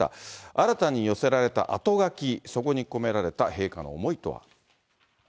新たに寄せられたあとがき、そこに込められた陛下の思いとは。